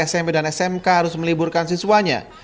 smp dan smk harus meliburkan siswanya